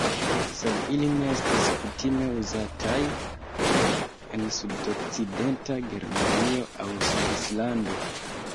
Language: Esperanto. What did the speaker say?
Sed ili ne estis kutime uzataj en sudokcidenta Germanio aŭ Svislando.